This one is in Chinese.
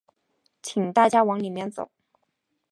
请大家往里面走